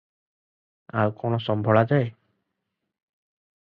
ଆଉ କଣ ସମ୍ଭଳା ଯାଏ?